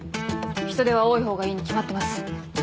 人手は多い方がいいに決まってます。